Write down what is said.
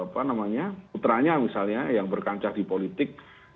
putranya misalnya yang berkancah di politik